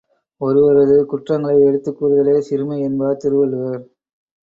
ஒருவரது குற்றங்களை எடுத்துக் கூறுதலே சிறுமை என்பார் திருவள்ளுவர்.